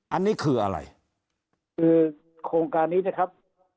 อันนี้คืออะไรคือโครงการนี้นะครับ